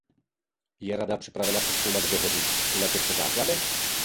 Je Rada připravena přezkoumat dohodu i na těchto základech?